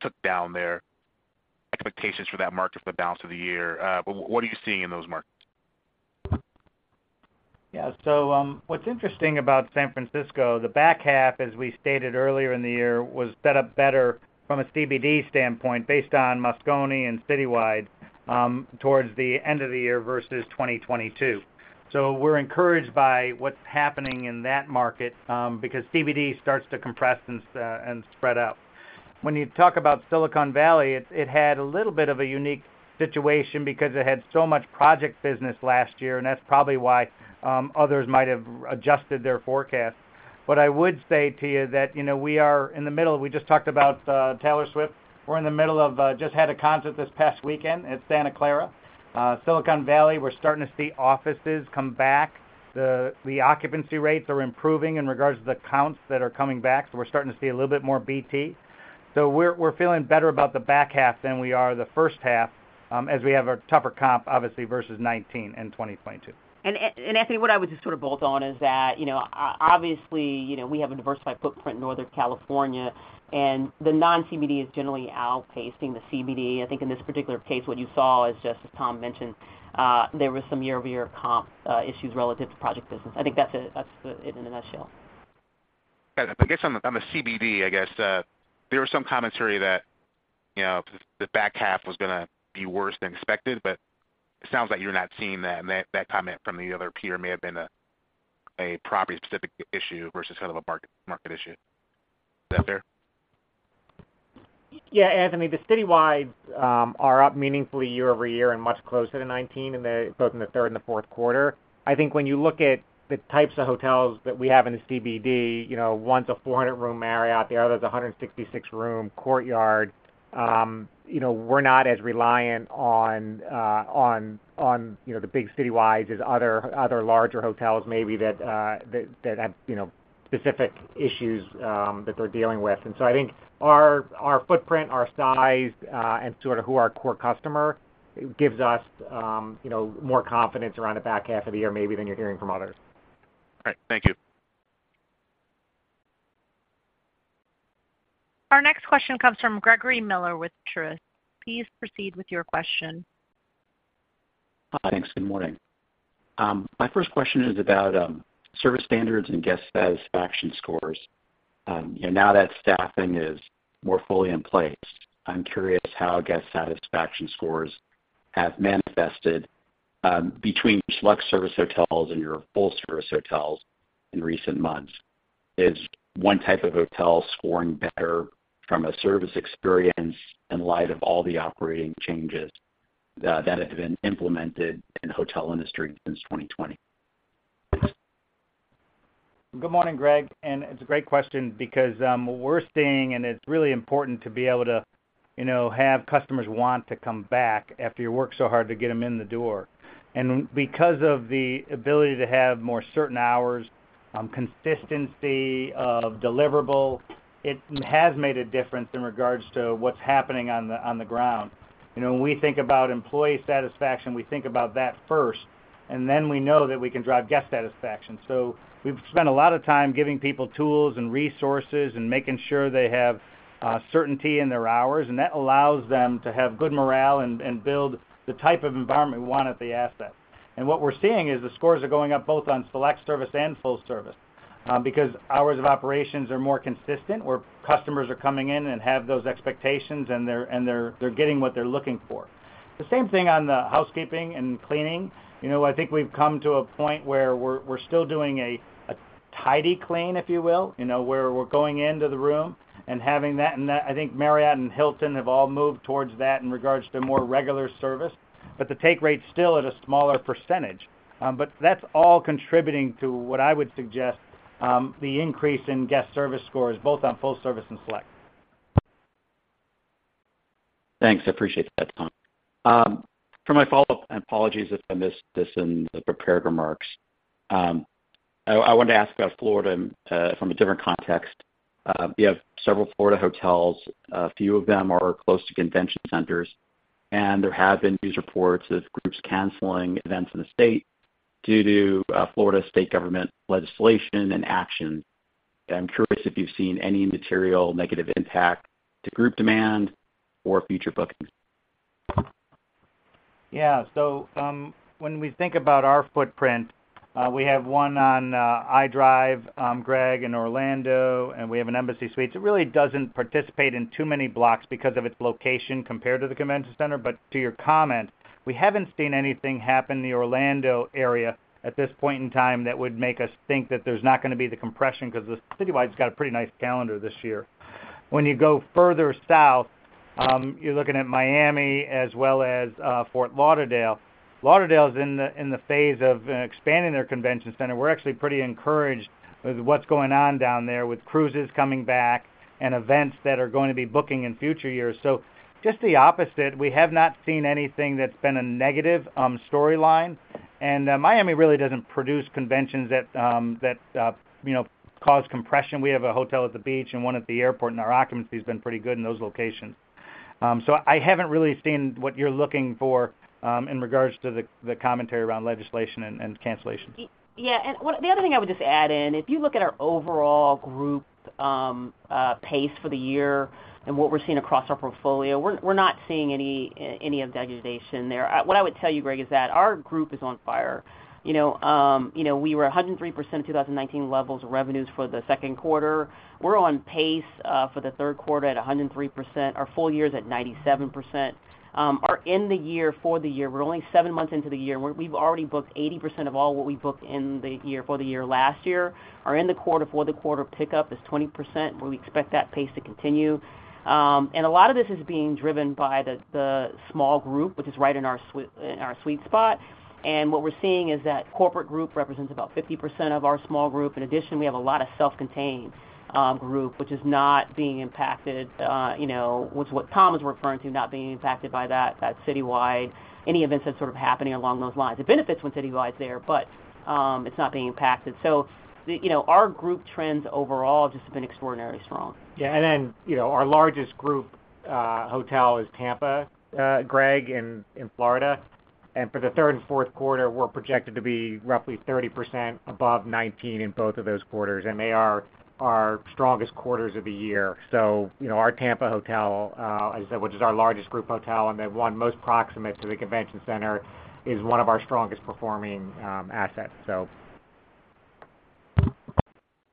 took down their expectations for that market for the balance of the year. What are you seeing in those markets?
Yeah. What's interesting about San Francisco, the back half, as we stated earlier in the year, was set up better from a CBD standpoint based on Moscone and citywide towards the end of the year versus 2022. We're encouraged by what's happening in that market because CBD starts to compress and spread out. When you talk about Silicon Valley, it, it had a little bit of a unique situation because it had so much project business last year, and that's probably why others might have adjusted their forecast. What I would say to you is that, you know, we are in the middle. We just talked about Taylor Swift. We're in the middle of just had a concert this past weekend at Santa Clara. Silicon Valley, we're starting to see offices come back. The, the occupancy rates are improving in regards to the counts that are coming back, so we're starting to see a little bit more BT. We're, we're feeling better about the back half than we are the first half, as we have a tougher comp, obviously, versus 2019 and 2022.
Anthony, what I would just sort of bolt on is that, you know, obviously, you know, we have a diversified footprint in Northern California, and the non-CBD is generally outpacing the CBD. I think in this particular case, what you saw is, just as Tom mentioned, there was some year-over-year comp issues relative to project business. I think that's it, that's it in a nutshell.
Got it. I guess on the, on the CBD, I guess, there was some commentary that, you know, the back half was going to be worse than expected, but it sounds like you're not seeing that, and that, that comment from the other peer may have been a, a property-specific issue versus kind of a market, market issue. Is that fair?
Yeah, Anthony, the citywides are up meaningfully year-over-year and much closer to 19 in the both in the third and the fourth quarter. I think when you look at the types of hotels that we have in the CBD, you know, one's a 400-room Marriott, the other is a 166-room Courtyard. You know, we're not as reliant on, you know, the big citywides as other, other larger hotels maybe that, that, that have, you know, specific issues that they're dealing with. I think our, our footprint, our size, and sort of who our core customer, gives us, you know, more confidence around the back half of the year maybe than you're hearing from others.
All right. Thank you.
Our next question comes from Gregory Miller with Truist. Please proceed with your question.
Hi, thanks. Good morning. My first question is about service standards and guest satisfaction scores. Now that staffing is more fully in place, I'm curious how guest satisfaction scores have manifested between select service hotels and your full-service hotels in recent months. Is one type of hotel scoring better from a service experience in light of all the operating changes that have been implemented in the hotel industry since 2020?
Good morning, Greg, it's a great question because, what we're seeing, and it's really important to be able to, you know, have customers want to come back after you work so hard to get them in the door. Because of the ability to have more certain hours, consistency of deliverable, it has made a difference in regards to what's happening on the, on the ground. You know, when we think about employee satisfaction, we think about that first, and then we know that we can drive guest satisfaction. We've spent a lot of time giving people tools and resources and making sure they have certainty in their hours, and that allows them to have good morale and, and build the type of environment we want at the asset. What we're seeing is the scores are going up both on select service and full service, because hours of operations are more consistent, where customers are coming in and have those expectations, and they're getting what they're looking for. The same thing on the housekeeping and cleaning. You know, I think we've come to a point where we're, we're still doing a, a tidy clean, if you will, you know, where we're going into the room and having that. That, I think Marriott and Hilton have all moved towards that in regards to more regular service, but the take rate's still at a smaller percentage. That's all contributing to what I would suggest, the increase in guest service scores, both on full service and select.
Thanks. I appreciate that, Tom. For my follow-up, apologies if I missed this in the prepared remarks, I, I wanted to ask about Florida from a different context. You have several Florida hotels. A few of them are close to convention centers, there have been news reports of groups canceling events in the state due to Florida State Government legislation and action. I'm curious if you've seen any material negative impact to group demand or future bookings?
Yeah. When we think about our footprint, we have 1 on I Drive, Greg, in Orlando, and we have an Embassy Suites. It really doesn't participate in too many blocks because of its location compared to the convention center. To your comment, we haven't seen anything happen in the Orlando area at this point in time that would make us think that there's not gonna be the compression, because the citywide's got a pretty nice calendar this year. When you go further south, you're looking at Miami as well as Fort Lauderdale. Lauderdale is in the, in the phase of expanding their convention center. We're actually pretty encouraged with what's going on down there, with cruises coming back and events that are going to be booking in future years. Just the opposite, we have not seen anything that's been a negative storyline. Miami really doesn't produce conventions that, you know, cause compression. We have a hotel at the beach and one at the airport, and our occupancy has been pretty good in those locations. I haven't really seen what you're looking for in regards to the, the commentary around legislation and, and cancellations.
Yeah. The other thing I would just add in, if you look at our overall group pace for the year and what we're seeing across our portfolio, we're not seeing any of that degradation there. I would tell you, Greg, is that our group is on fire. You know, you know, we were 103% in 2019 levels of revenues for the second quarter. We're on pace for the third quarter at 103%. Our full year is at 97%. Our in the year for the year, we're only 7 months into the year, we've already booked 80% of all what we booked in the year for the year last year. Our in the quarter for the quarter pickup is 20%, where we expect that pace to continue. A lot of this is being driven by the, the small group, which is right in our sw- in our sweet spot. What we're seeing is that corporate group represents about 50% of our small group. In addition, we have a lot of self-contained, group, which is not being impacted, you know, which what Tom is referring to, not being impacted by that, that citywide, any events that's sort of happening along those lines. It benefits when citywide is there, but, it's not being impacted. The, you know, our group trends overall just have been extraordinarily strong.
Yeah, and then, you know, our largest group hotel is Tampa, Gregory, in Florida. For the third and fourth quarter, we're projected to be roughly 30% above 2019 in both of those quarters, and they are our strongest quarters of the year. You know, our Tampa hotel, as I said, which is our largest group hotel, and the one most proximate to the convention center, is one of our strongest performing assets, so.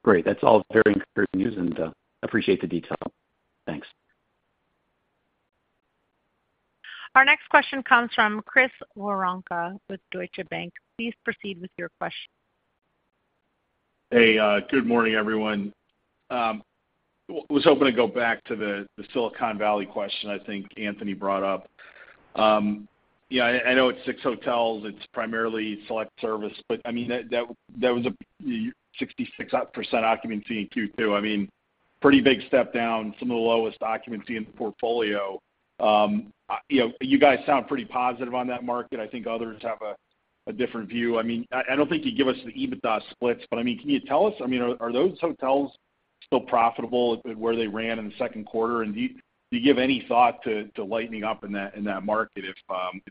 Great. That's all very encouraging news. Appreciate the detail. Thanks.
Our next question comes from Chris Woronka with Deutsche Bank. Please proceed with your question.
Hey, good morning, everyone. Was hoping to go back to the Silicon Valley question I think Anthony brought up. Yeah, I know it's 6 hotels, it's primarily select service, but I mean, that, that, that was a 66% occupancy in Q2. I mean, pretty big step down, some of the lowest occupancy in the portfolio. You know, you guys sound pretty positive on that market. I think others have a different view. I mean, I don't think you'd give us the EBITDA splits, but I mean, can you tell us, I mean, are those hotels still profitable where they ran in the second quarter? Do you, do you give any thought to lightening up in that, in that market if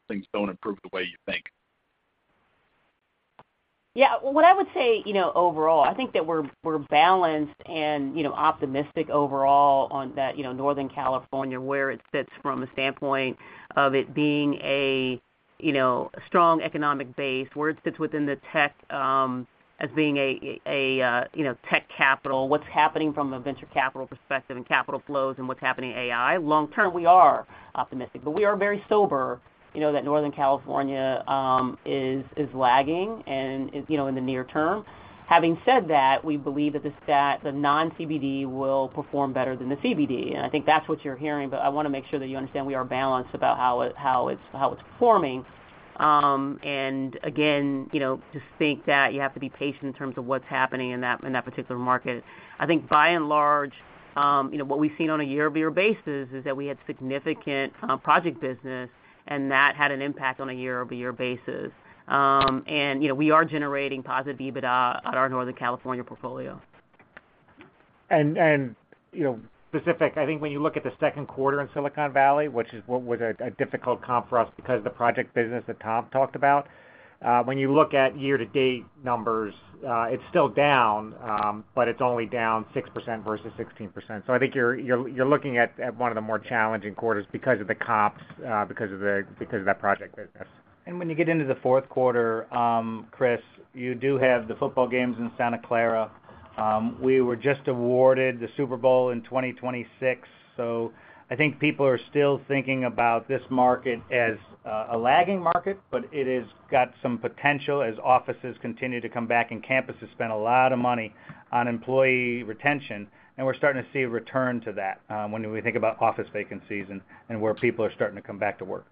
things don't improve the way you think?
Yeah. Well, what I would say, you know, overall, I think that we're, we're balanced and, you know, optimistic overall on that, you know, Northern California, where it sits from a standpoint of it being a, you know, strong economic base, where it sits within the tech, as being a, a, you know, tech capital, what's happening from a venture capital perspective and capital flows and what's happening in AI. Long term, we are optimistic, but we are very sober, you know, that Northern California, is, is lagging and, you know, in the near term. Having said that, we believe that the stat, the non-CBD will perform better than the CBD, and I think that's what you're hearing. I want to make sure that you understand we are balanced about how it, how it's, how it's performing. Again, you know, just think that you have to be patient in terms of what's happening in that, in that particular market. I think by and large, you know, what we've seen on a year-over-year basis is that we had significant project business, and that had an impact on a year-over-year basis. You know, we are generating positive EBITDA at our Northern California portfolio.
You know, specific, I think when you look at the second quarter in Silicon Valley, which is what was a difficult comp for us because of the project business that Tom talked about, when you look at year-to-date numbers, it's still down, but it's only down 6% versus 16%. I think you're, you're, you're looking at, at one of the more challenging quarters because of the comps, because of the, because of that project business. When you get into the fourth quarter, Chris, you do have the football games in Santa Clara. We were just awarded the Super Bowl in 2026. I think people are still thinking about this market as a lagging market, but it has got some potential as offices continue to come back, and campuses spend a lot of money on employee retention, and we're starting to see a return to that when we think about office vacancies and where people are starting to come back to work.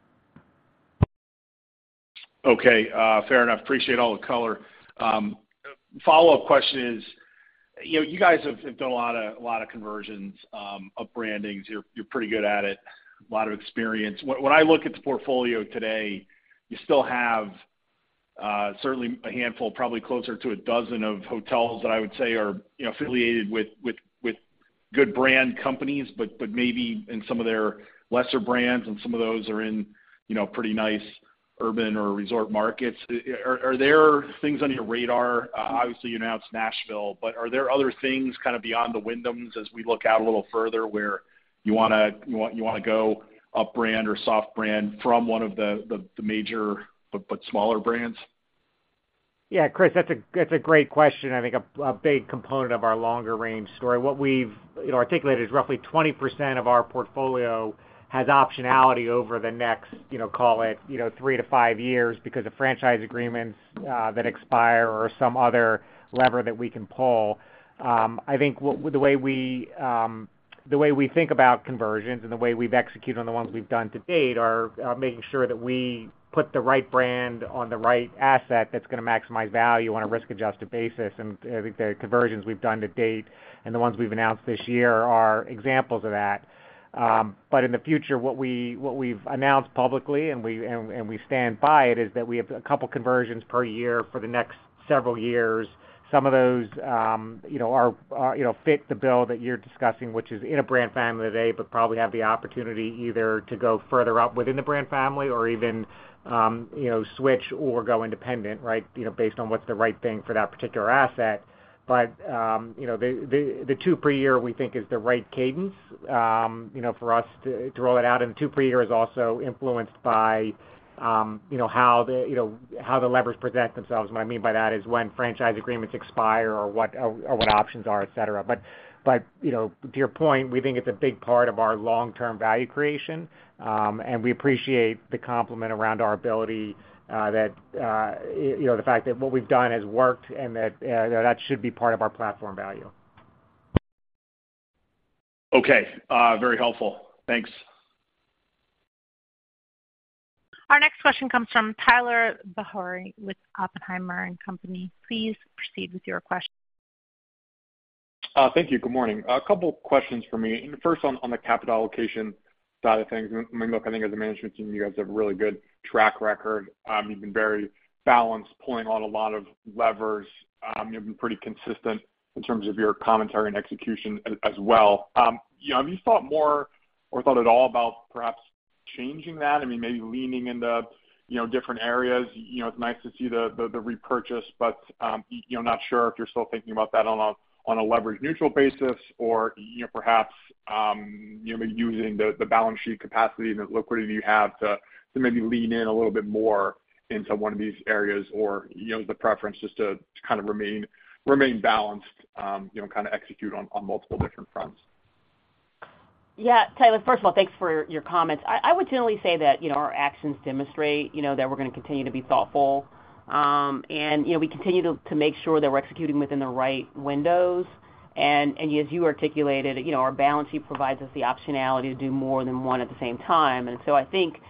Okay, fair enough. Appreciate all the color. Follow-up question is, you know, you guys have, have done a lot of, a lot of conversions of brandings. You're, you're pretty good at it. A lot of experience. When, when I look at the portfolio today, you still have certainly a handful, probably closer to 12 of hotels that I would say are, you know, affiliated with, with, with good brand companies, but, but maybe in some of their lesser brands, and some of those are in, you know, pretty nice urban or resort markets. Are there things on your radar? Obviously, you announced Nashville, but are there other things kind of beyond the Wyndhams as we look out a little further where you want to, you want, you want to go upbrand or soft brand from one of the, the major, but, but smaller brands?
Yeah, Chris, that's a, that's a great question, I think a, a big component of our longer range story. What we've, you know, articulated is roughly 20% of our portfolio has optionality over the next, you know, call it, you know, 3-5 years because of franchise agreements that expire or some other lever that we can pull. The way we, the way we think about conversions and the way we've executed on the ones we've done to date are, are making sure that we put the right brand on the right asset that's going to maximize value on a risk-adjusted basis. I think the conversions we've done to date and the ones we've announced this year are examples of that. In the future, what we, what we've announced publicly, and we, and, and we stand by it, is that we have a couple conversions per year for the next several years. Some of those, you know, are, are, you know, fit the bill that you're discussing, which is in a brand family today, but probably have the opportunity either to go further up within the brand family or even, you know, switch or go independent, right, you know, based on what's the right thing for that particular asset. You know, the, the, the two per year, we think is the right cadence, you know, for us to, to roll it out. The two per year is also influenced by, you know, how the, you know, how the levers present themselves. What I mean by that is when franchise agreements expire or what, or what options are, et cetera. You know, to your point, we think it's a big part of our long-term value creation, and we appreciate the compliment around our ability, that, you know, the fact that what we've done has worked and that, that should be part of our platform value.
Okay, very helpful. Thanks.
Our next question comes from Tyler Batory with Oppenheimer & Company. Please proceed with your question.
Thank you. Good morning. A couple questions for me. First, on, on the capital allocation side of things. I mean, look, I think as a management team, you guys have a really good track record. You've been very balanced, pulling on a lot of levers. You've been pretty consistent in terms of your commentary and execution as, as well. You know, have you thought more or thought at all about perhaps changing that? I mean, maybe leaning into, you know, different areas. You know, it's nice to see the, the, the repurchase, but, you know, not sure if you're still thinking about that on a, on a leverage neutral basis or, you know, perhaps, you know, maybe using the, the balance sheet capacity and the liquidity you have to, to maybe lean in a little bit more into one of these areas, or, you know, the preference just to, to kind of remain, remain balanced, you know, kind of execute on, on multiple different fronts.
Yeah, Tyler, first of all, thanks for your comments. I, I would generally say that, you know, our actions demonstrate, you know, that we're going to continue to be thoughtful. You know, we continue to, to make sure that we're executing within the right windows. As you articulated, you know, our balance sheet provides us the optionality to do more than one at the same time. I think,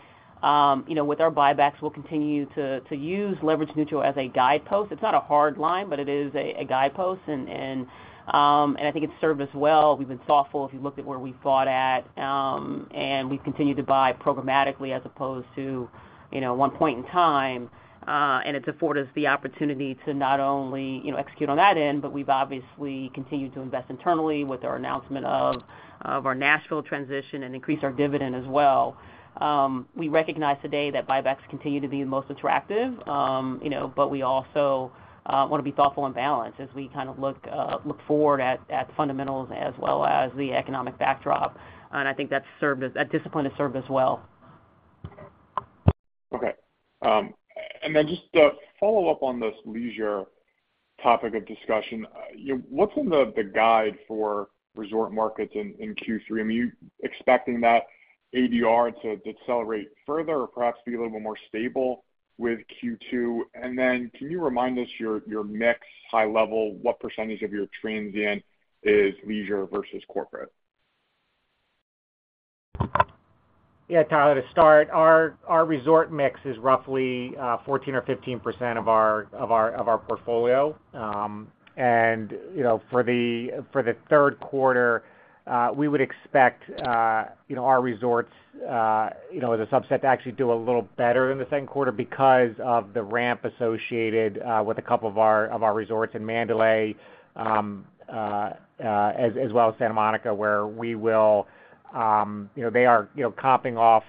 you know, with our buybacks, we'll continue to, to use leverage neutral as a guidepost. It's not a hard line, but it is a, a guidepost, and, and I think it's served us well. We've been thoughtful if you looked at where we bought at, and we've continued to buy programmatically as opposed to, you know, one point in time. It's afforded us the opportunity to not only, you know, execute on that end, but we've obviously continued to invest internally with our announcement of, of our Nashville transition and increase our dividend as well. We recognize today that buybacks continue to be the most attractive, you know, we also want to be thoughtful and balanced as we kind of look, look forward at, at fundamentals as well as the economic backdrop. I think that discipline has served us well.
Okay. Just to follow up on this leisure topic of discussion, you know, what's in the guide for resort markets in Q3? I mean, are you expecting that ADR to decelerate further or perhaps be a little bit more stable with Q2? Can you remind us your mix high level, what % of your transient is leisure versus corporate?
Yeah, Tyler, to start, our, our resort mix is roughly 14% or 15% of our, of our, of our portfolio. You know, for the, for the third quarter, we would expect, you know, our resorts, you know, as a subset, to actually do a little better in the second quarter because of the ramp associated with a couple of our, of our resorts in Mandalay, as well as Santa Monica, where we will, you know, they are, you know, comping off,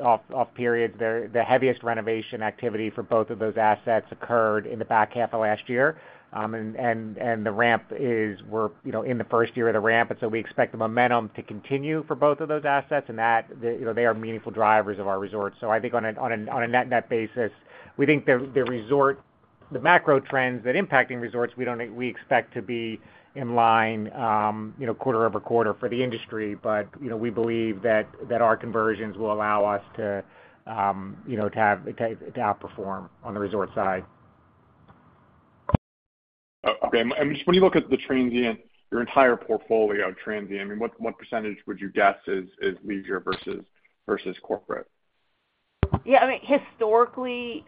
off, off periods. The, the heaviest renovation activity for both of those assets occurred in the back half of last year. The ramp is we're, you know, in the 1st year of the ramp, so we expect the momentum to continue for both of those assets, and that, you know, they are meaningful drivers of our resorts. I think on a, on a, on a net-net basis, we think the, the resort, the macro trends that impacting resorts, we don't think we expect to be in line, you know, quarter-over-quarter for the industry. You know, we believe that, that our conversions will allow us to, you know, to have, to, to outperform on the resort side.
Okay. Just when you look at the transient, your entire portfolio of transient, I mean, what, what % would you guess is, is leisure versus, versus corporate?
Yeah, I mean, historically,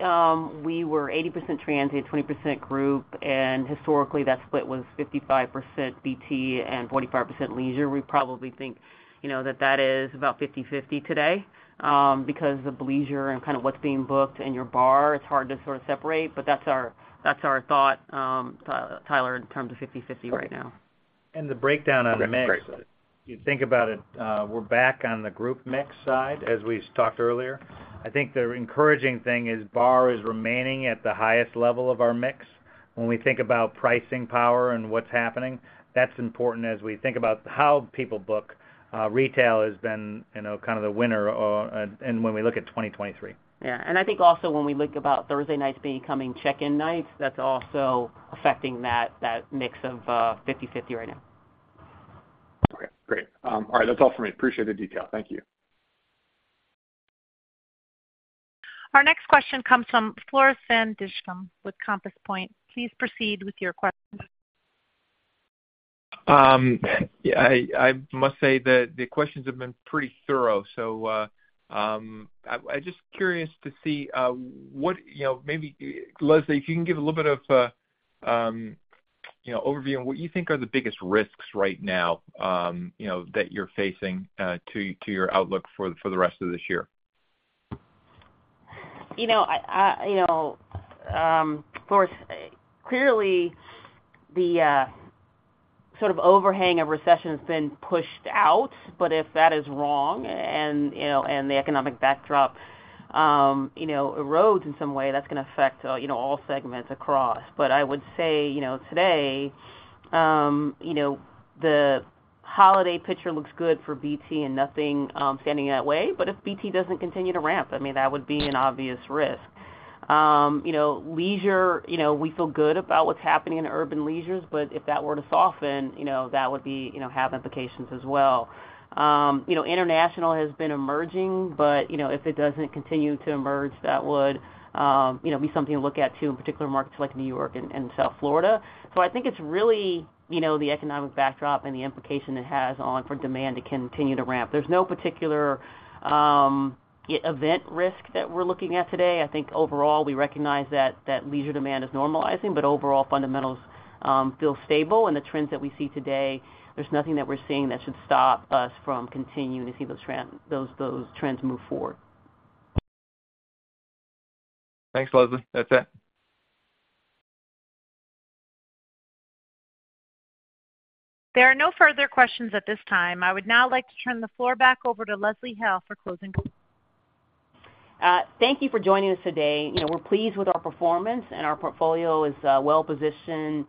we were 80% transient, 20% group, and historically, that split was 55% BT and 45% leisure. We probably think, you know, that that is about 50/50 today, because of leisure and kind of what's being booked in your bar, it's hard to sort of separate, but that's our, that's our thought, Tyler, in terms of 50/50 right now.
The breakdown on the mix, you think about it, we're back on the group mix side, as we talked earlier. I think the encouraging thing is bar is remaining at the highest level of our mix. When we think about pricing power and what's happening, that's important as we think about how people book. Retail has been, you know, kind of the winner, and when we look at 2023.
Yeah, I think also when we look about Thursday nights becoming check-in nights, that's also affecting that, that mix of, 50/50 right now.
Okay, great. All right, that's all for me. Appreciate the detail. Thank you.
Our next question comes from Floris van Dijkum with Compass Point. Please proceed with your question.
Yeah, I, I must say that the questions have been pretty thorough, so, I just curious to see, what, you know, maybe Leslie, if you can give a little bit of, you know, overview on what you think are the biggest risks right now, you know, that you're facing, to, to your outlook for, for the rest of this year?
You know, I, I, you know, Floris, clearly, the sort of overhang of recession has been pushed out, but if that is wrong and, you know, and the economic backdrop, you know, erodes in some way, that's gonna affect, you know, all segments across. I would say, you know, today, you know, the holiday picture looks good for BT and nothing standing in our way. If BT doesn't continue to ramp, I mean, that would be an obvious risk. You know, leisure, you know, we feel good about what's happening in urban leisures, but if that were to soften, you know, that would be, you know, have implications as well. you know, international has been emerging, but, you know, if it doesn't continue to emerge, that would, you know, be something to look at, too, in particular markets like New York and, and South Florida. I think it's really, you know, the economic backdrop and the implication it has on for demand to continue to ramp. There's no particular event risk that we're looking at today. I think overall, we recognize that, that leisure demand is normalizing, but overall fundamentals feel stable. The trends that we see today, there's nothing that we're seeing that should stop us from continuing to see those trend, those, those trends move forward.
Thanks, Leslie. That's it.
There are no further questions at this time. I would now like to turn the floor back over to Leslie Hale for closing comments.
Thank you for joining us today. You know, we're pleased with our performance, and our portfolio is well positioned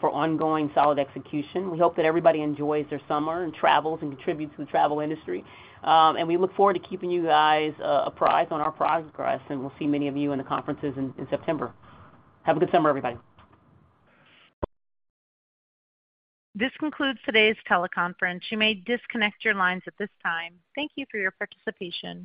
for ongoing solid execution. We hope that everybody enjoys their summer and travels and contributes to the travel industry. We look forward to keeping you guys apprised on our progress, and we'll see many of you in the conferences in September. Have a good summer, everybody.
This concludes today's teleconference. You may disconnect your lines at this time. Thank you for your participation.